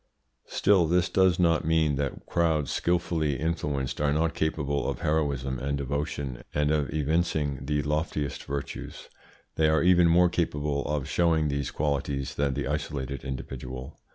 Still this does not mean that crowds, skilfully influenced, are not capable of heroism and devotion and of evincing the loftiest virtues; they are even more capable of showing these qualities than the isolated individual.